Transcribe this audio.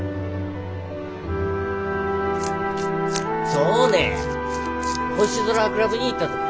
そうねえ星空クラブに行ったとか。